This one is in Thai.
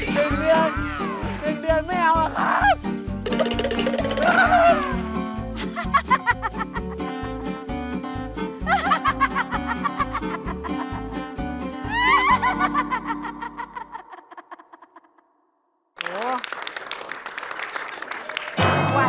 เดี๋ยวเดี๋ยวไม่เอาล่ะครับ